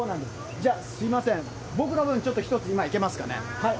じゃあ、すみません、僕の分、今、１ついけますかね？